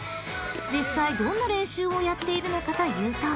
［実際どんな練習をやっているのかというと］